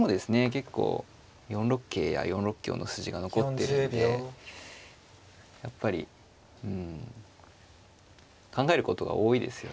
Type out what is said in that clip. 結構４六桂や４六香の筋が残ってるんでやっぱりうん考えることが多いですよね。